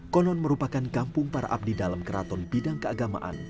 konon merupakan kampung para abdi dalam keraton bidang keagamaan